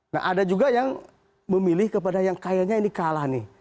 nah ada juga yang memilih kepada yang kayaknya ini kalah nih